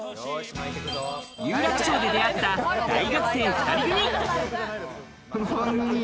有楽町で出会った大学生２人組。